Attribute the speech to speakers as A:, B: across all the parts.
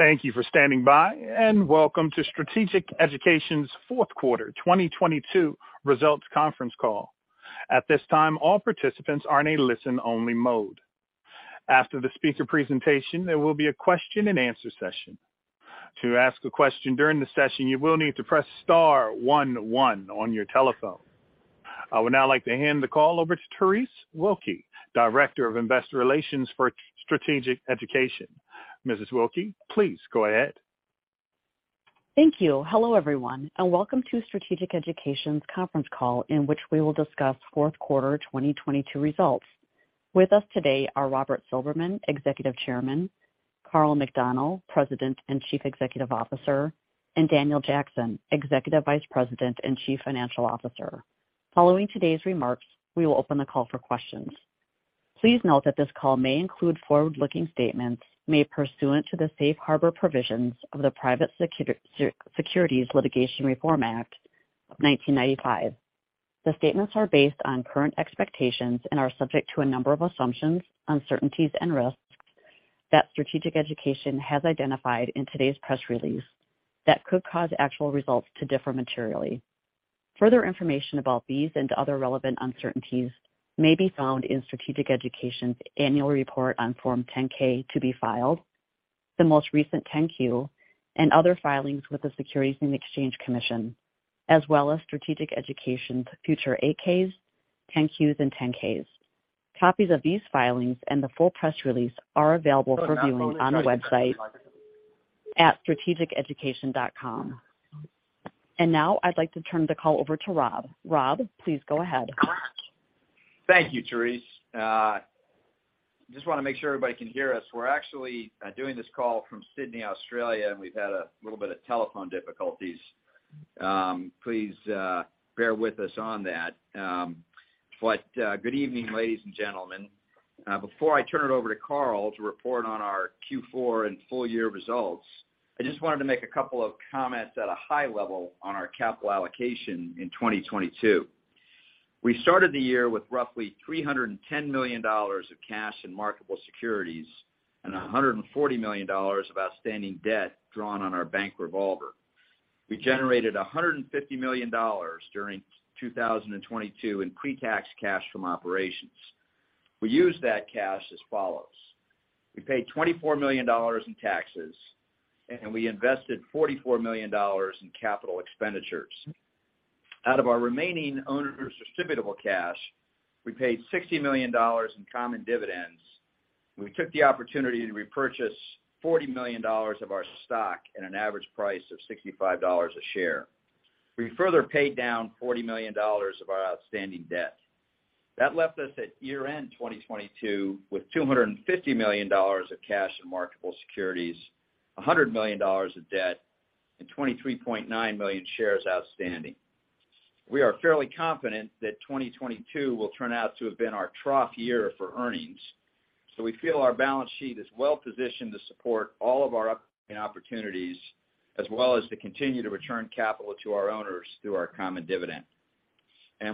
A: Thank you for standing by, and welcome to Strategic Education's Fourth Quarter 2022 results Conference Call. At this time, all participants are in a listen-only mode. After the speaker presentation, there will be a question-and-answer session. To ask a question during the session, you will need to press star one one on your telephone. I would now like to hand the call over to Terese Wilke, Director of Investor Relations for Strategic Education. Mrs. Wilke, please go ahead.
B: Thank you. Hello, everyone, and welcome to Strategic Education's conference call, in which we will discuss fourth quarter 2022 results. With us today are Robert Silberman, Executive Chairman, Karl McDonnell, President and Chief Executive Officer, and Daniel Jackson, Executive Vice President and Chief Financial Officer. Following today's remarks, we will open the call for questions. Please note that this call may include forward-looking statements made pursuant to the Safe Harbor provisions of the Private Securities Litigation Reform Act of 1995. The statements are based on current expectations and are subject to a number of assumptions, uncertainties, and risks that Strategic Education has identified in today's press release that could cause actual results to differ materially. Further information about these and other relevant uncertainties may be found in Strategic Education's annual report on Form 10-K to be filed, the most recent 10-Q, and other filings with the Securities and Exchange Commission, as well as Strategic Education's future 8-Ks, 10-Qs, and 10-Ks. Copies of these filings and the full press release are available for viewing on our website at strategiceducation.com. Now I'd like to turn the call over to Rob. Rob, please go ahead.
C: Thank you, Terese. Just wanna make sure everybody can hear us. We're actually doing this call from Sydney, Australia, and we've had a little bit of telephone difficulties. Please bear with us on that. Good evening, ladies and gentlemen. Before I turn it over to Karl to report on our Q4 and full year results, I just wanted to make a couple of comments at a high level on our capital allocation in 2022. We started the year with roughly $310 million of cash and marketable securities and $140 million of outstanding debt drawn on our bank revolver. We generated $150 million during 2022 in pre-tax cash from operations. We used that cash as follows. We paid $24 million in taxes. We invested $44 million in CapEx. Out of our remaining owner distributable cash, we paid $60 million in common dividends. We took the opportunity to repurchase $40 million of our stock at an average price of $65 a share. We further paid down $40 million of our outstanding debt. That left us at year-end 2022 with $250 million of cash and marketable securities, $100 million of debt, and 23.9 million shares outstanding. We are fairly confident that 2022 will turn out to have been our trough year for earnings. We feel our balance sheet is well positioned to support all of our upcoming opportunities, as well as to continue to return capital to our owners through our common dividend.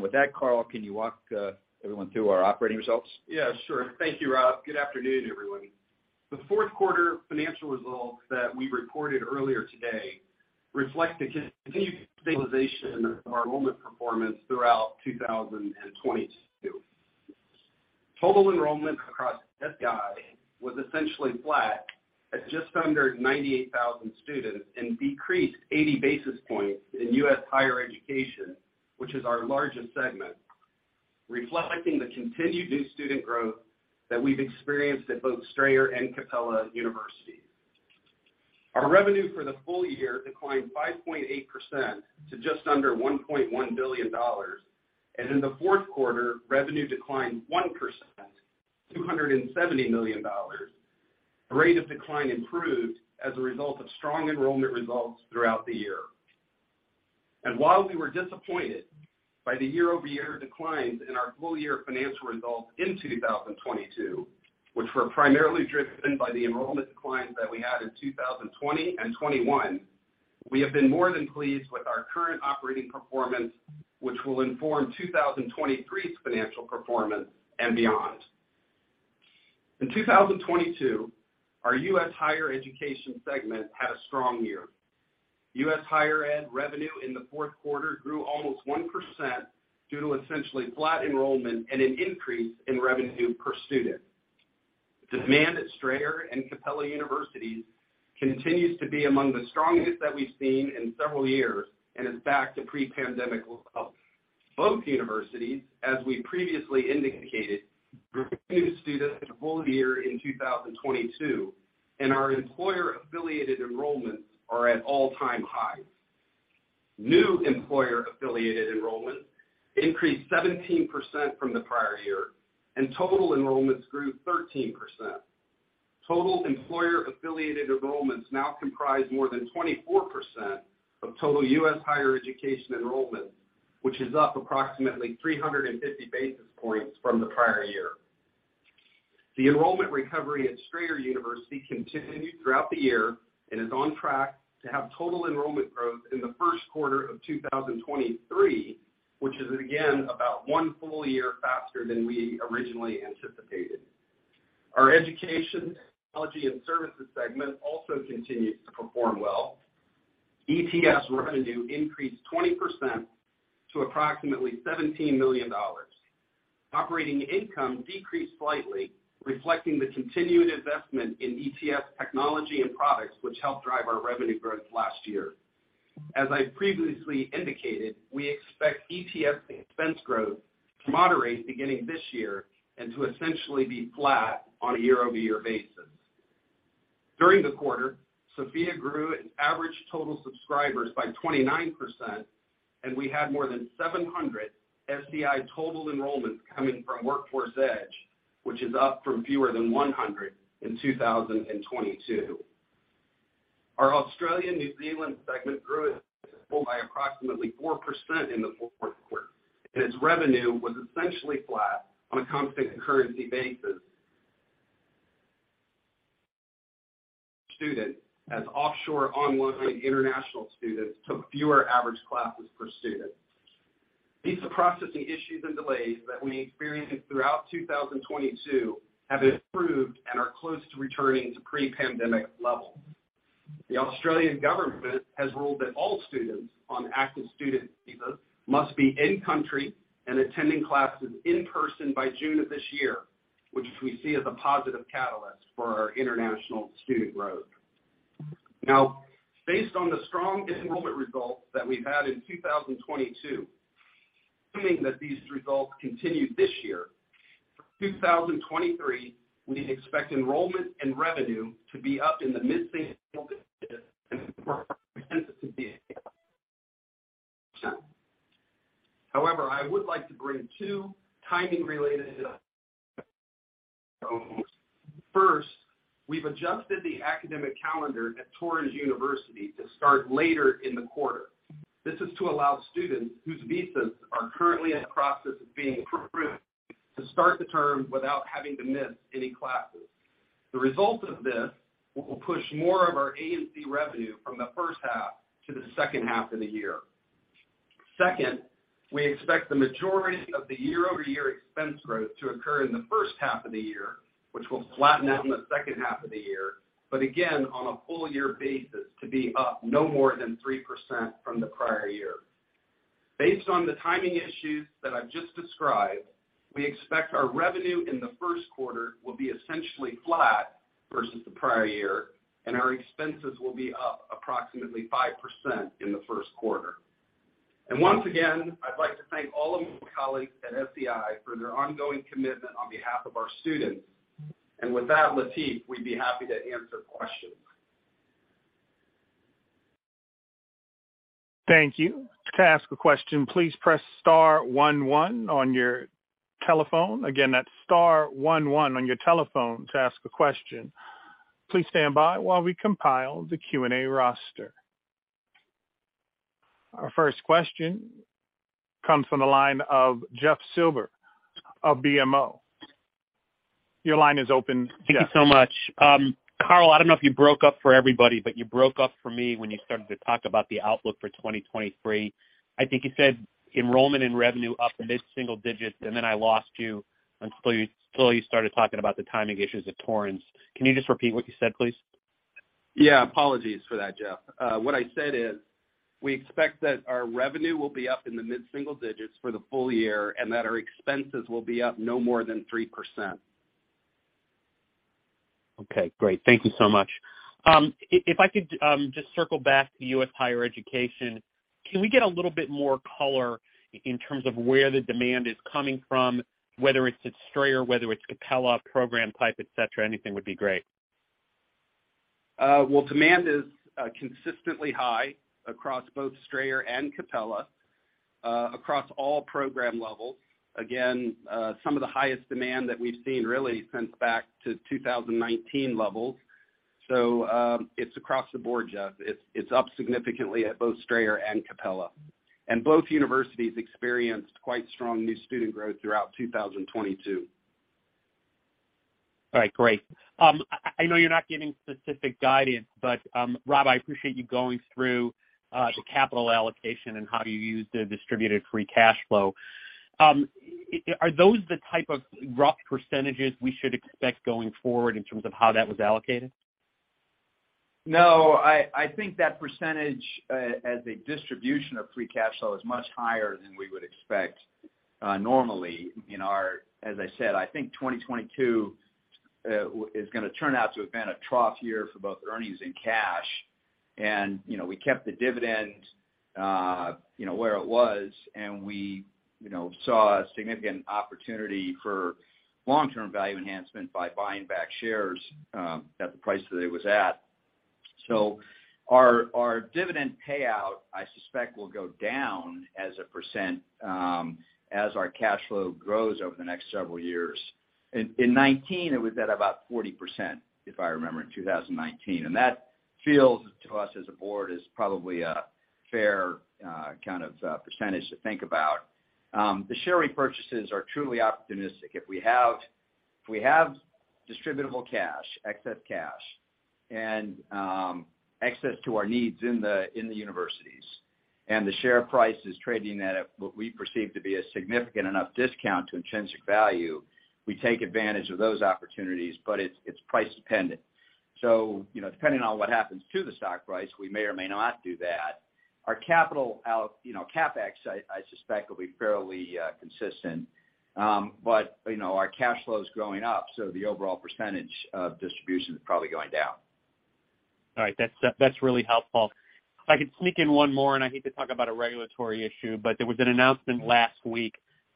C: With that, Karl, can you walk everyone through our operating results?
D: Yeah, sure. Thank you, Rob. Good afternoon, everyone. The fourth quarter financial results that we reported earlier today reflect the continued stabilization of enrollment performance throughout 2022. Total enrollment across SEI was essentially flat at just under 98,000 students and decreased 80 basis points in U.S. Higher Education, which is our largest segment, reflecting the continued new student growth that we've experienced at both Strayer and Capella University. Our revenue for the full year declined 5.8% to just under $1.1 billion. In the fourth quarter, revenue declined 1%, $270 million. The rate of decline improved as a result of strong enrollment results throughout the year. While we were disappointed by the year-over-year declines in our full year financial results in 2022, which were primarily driven by the enrollment declines that we had in 2020 and 2021, we have been more than pleased with our current operating performance, which will inform 2023's financial performance and beyond. In 2022, our U.S. Higher Education segment had a strong year. U.S. higher ed revenue in the fourth quarter grew almost 1% due to essentially flat enrollment and an increase in revenue per student. Demand at Strayer and Capella universities continues to be among the strongest that we've seen in several years and is back to pre-pandemic levels. Both universities, as we previously indicated, grew new students full year in 2022, and our employer-affiliated enrollments are at all-time highs. New employer-affiliated enrollment increased 17% from the prior year, and total enrollments grew 13%. Total employer-affiliated enrollments now comprise more than 24% of total U.S. Higher Education enrollment, which is up approximately 350 basis points from the prior year. The enrollment recovery at Strayer University continued throughout the year and is on track to have total enrollment growth in the first quarter of 2023 which is again about one full year faster than we originally anticipated. Our education, technology and services segment also continues to perform well. ETS revenue increased 20% to approximately $17 million. Operating income decreased slightly, reflecting the continued investment in ETS technology and products which helped drive our revenue growth last year. As I previously indicated, we expect ETS expense growth to moderate beginning this year and to essentially be flat on a year-over-year basis. During the quarter, Sophia grew in average total subscribers by 29%. We had more than 700 SEI total enrollments coming from Workforce Edge, which is up from fewer than 100 in 2022. Our Australia, New Zealand segment grew. Thank you.
A: To ask a question, please press star one one on your telephone. Again, that's star one one on your telephone to ask a question. Please stand by while we compile the Q&A roster. Our first question comes from the line of Jeff Silber of BMO. Your line is open, Jeff.
E: Thank you so much. Karl, I don't know if you broke up for everybody, but you broke up for me when you started to talk about the outlook for 2023. I think you said enrollment and revenue up mid-single digits, and then I lost you until you started talking about the timing issues at Torrens. Can you just repeat what you said, please?
D: Yeah, apologies for that, Jeff. What I said is we expect that our revenue will be up in the mid-single digits for the full year and that our expenses will be up no more than 3%.
E: Okay, great. Thank you so much. If, if I could, just circle back to U.S. Higher Education, can we get a little bit more color in terms of where the demand is coming from, whether it's at Strayer, whether it's Capella, program type, et cetera? Anything would be great.
D: Well, demand is consistently high across both Strayer and Capella, across all program levels. Again, some of the highest demand that we've seen really since back to 2019 levels. It's across the board, Jeff. It's up significantly at both Strayer and Capella. Both universities experienced quite strong new student growth throughout 2022.
E: All right, great. I know you're not giving specific guidance, but, Rob, I appreciate you going through the capital allocation and how you use the distributed free cash flow. Are those the type of rough percentages we should expect going forward in terms of how that was allocated?
C: No, I think that percentage as a distribution of free cash flow is much higher than we would expect normally. As I said, I think 2022 is gonna turn out to have been a trough year for both earnings and cash. You know, we kept the dividend, you know, where it was, and we, you know, saw a significant opportunity for long-term value enhancement by buying back shares at the price that it was at. Our dividend payout, I suspect, will go down as a % as our cash flow grows over the next several years. In 19, it was at about 40%, if I remember, in 2019. That feels to us as a board is probably a fair kind of percentage to think about. The share repurchases are truly opportunistic. If we have distributable cash, excess cash, and access to our needs in the, in the universities, and the share price is trading at what we perceive to be a significant enough discount to intrinsic value, we take advantage of those opportunities, but it's price dependent. You know, depending on what happens to the stock price, we may or may not do that. Our capital you know, CapEx, I suspect will be fairly consistent. You know, our cash flow is growing up, so the overall percentage of distribution is probably going down.
E: All right. That's, that's really helpful. If I could sneak in one more, and I hate to talk about a regulatory issue, but there was an announcement last week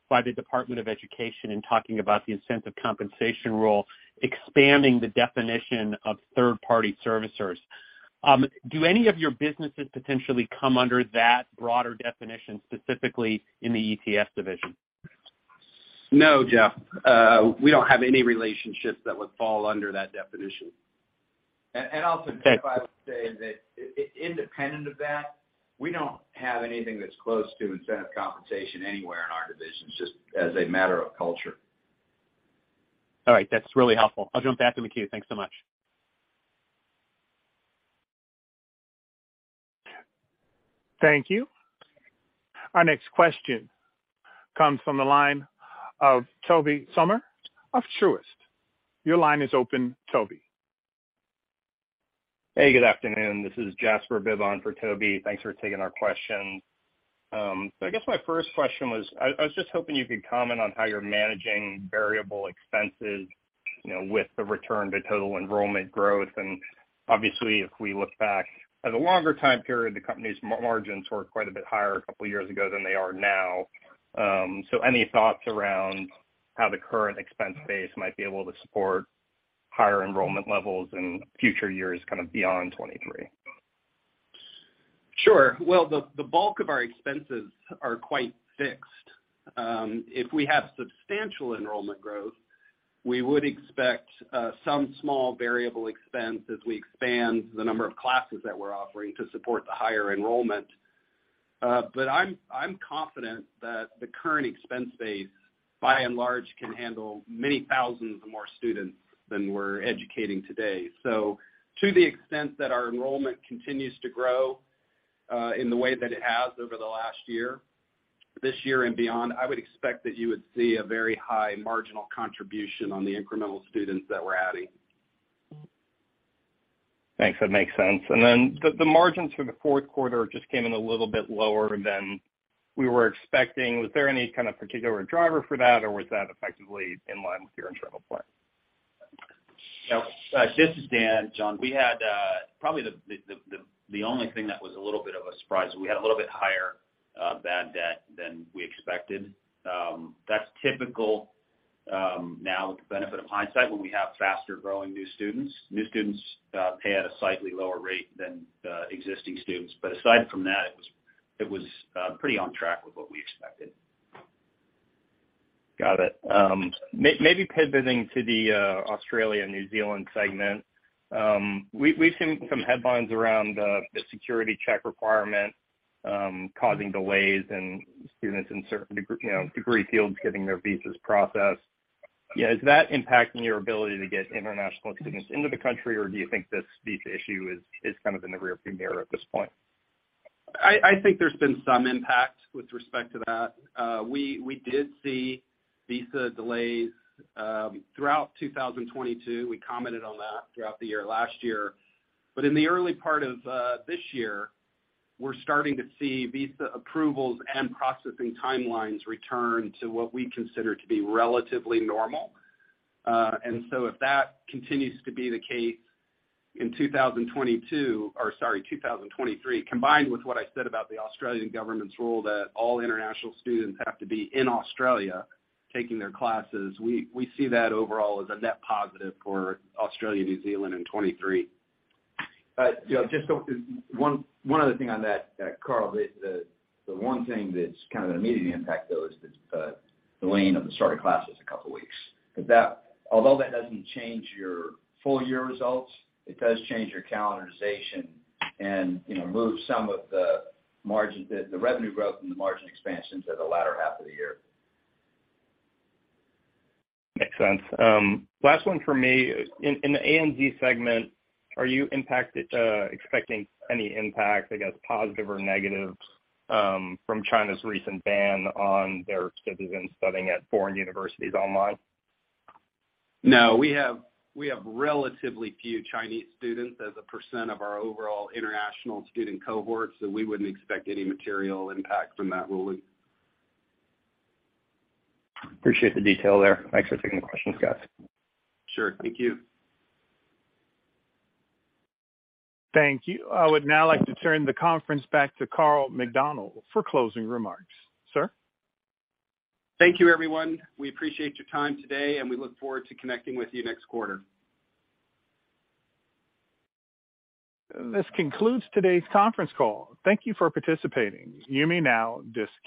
E: by the Department of Education in talking about the incentive compensation rule, expanding the definition of third-party servicers. Do any of your businesses potentially come under that broader definition, specifically in the ETS division?
D: No, Jeff. We don't have any relationships that would fall under that definition.
C: Also, Jeff, I would say that independent of that, we don't have anything that's close to incentive compensation anywhere in our divisions, just as a matter of culture.
E: All right. That's really helpful. I'll jump back in the queue. Thanks so much.
A: Thank you. Our next question comes from the line of Tobey Sommer of Truist. Your line is open, Toby.
F: Hey, good afternoon. This is Jasper Bibb for Toby. Thanks for taking our question. I guess my first question was, I was just hoping you could comment on how you're managing variable expenses, you know, with the return to total enrollment growth. Obviously, if we look back at the longer time period, the company's margins were quite a bit higher a couple years ago than they are now. Any thoughts around how the current expense base might be able to support higher enrollment levels in future years, kind of beyond 2023?
D: Sure. Well, the bulk of our expenses are quite fixed. If we have substantial enrollment growth, we would expect some small variable expense as we expand the number of classes that we're offering to support the higher enrollment. I'm confident that the current expense base, by and large, can handle many thousands of more students than we're educating today. To the extent that our enrollment continues to grow, in the way that it has over the last year, this year and beyond, I would expect that you would see a very high marginal contribution on the incremental students that we're adding.
F: Thanks. That makes sense. The margins for the fourth quarter just came in a little bit lower than we were expecting. Was there any kind of particular driver for that, or was that effectively in line with your internal plan?
C: This is Dan, John. We had, probably the only thing that was a little bit of a surprise, we had a little bit higher, bad debt than we expected. That's typical, now with the benefit of hindsight, when we have faster-growing new students. New students pay at a slightly lower rate than existing students. Aside from that, it was pretty on track with what we expected.
F: Got it. Maybe pivoting to the Australia/New Zealand segment. We've seen some headlines around the security check requirement, causing delays and students in certain you know, degree fields getting their visas processed. Is that impacting your ability to get international students into the country, or do you think this visa issue is kind of in the rear view mirror at this point?
D: I think there's been some impact with respect to that. We did see visa delays throughout 2022. We commented on that throughout the year last year. In the early part of this year, we're starting to see visa approvals and processing timelines return to what we consider to be relatively normal. If that continues to be the case in 2022, or sorry, 2023, combined with what I said about the Australian government's rule that all international students have to be in Australia taking their classes, we see that overall as a net positive for Australia/New Zealand in 2023.
C: Yeah, just one other thing on that, Karl. The one thing that's kind of an immediate impact, though, is the delaying of the start of class is a couple weeks. Although that doesn't change your full year results, it does change your calendarization and, you know, move some of the revenue growth and the margin expansion to the latter half of the year.
F: Makes sense. Last one for me. In the ANZ segment, are you impacted, expecting any impact, I guess, positive or negatives, from China's recent ban on their citizens studying at foreign universities online?
D: No. We have relatively few Chinese students as a % of our overall international student cohort, so we wouldn't expect any material impact from that ruling.
F: Appreciate the detail there. Thanks for taking the questions, guys.
D: Sure. Thank you.
B: Thank you. I would now like to turn the conference back to Karl McDonnell for closing remarks. Sir?
D: Thank you, everyone. We appreciate your time today, and we look forward to connecting with you next quarter.
A: This concludes today's conference call. Thank you for participating. You may now disconnect.